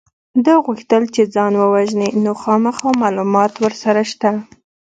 ده غوښتل چې ځان ووژني نو خامخا معلومات ورسره شته